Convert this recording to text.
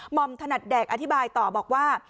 อมถนัดแดกอธิบายต่อบอกว่า